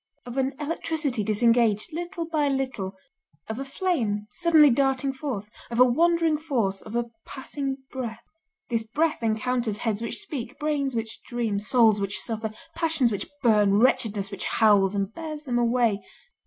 Of an electricity disengaged, little by little, of a flame suddenly darting forth, of a wandering force, of a passing breath. This breath encounters heads which speak, brains which dream, souls which suffer, passions which burn, wretchedness which howls, and bears them away.